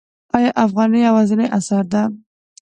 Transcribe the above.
آیا افغانۍ یوازینۍ اسعار ده؟